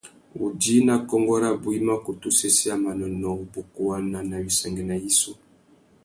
Udjï nà kônkô rabú i mà kutu sésséya manônōh, wubukuwana na wissangüena yissú.